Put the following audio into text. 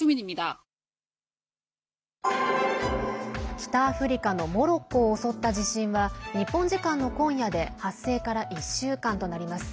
北アフリカのモロッコを襲った地震は日本時間の今夜で発生から１週間となります。